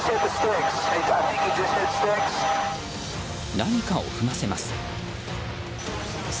何かを踏ませます。